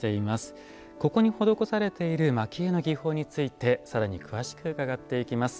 ここに施されている蒔絵の技法について更に詳しく伺っていきます。